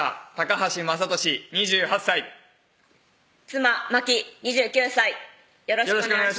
橋正俊２８歳妻・真紀２９歳よろしくお願いします